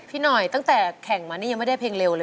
พี่หน่อยตั้งแต่แข่งมานี่ยังไม่ได้เพลงเร็วเลย